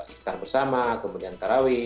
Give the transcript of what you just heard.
iktan bersama kemudian tarawih